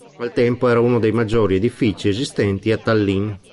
Al tempo era uno dei maggiori edifici esistenti a Tallinn.